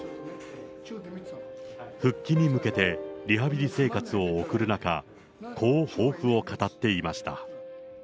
復帰に向けてリハビリ生活を送る中、こう抱負を語っていました。